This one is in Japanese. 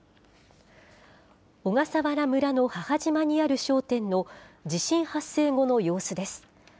小笠原村の母島にある商店の地震発生後の様子です。